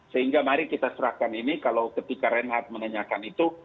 sehingga mari kita serahkan ini kalau ketika reinhardt menanyakan itu